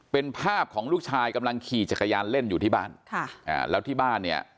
เป็นภาพของลูกชายกำลังขี่จักรยานเล่นอยู่ที่บ้านค่ะอ่าแล้วที่บ้านเนี่ย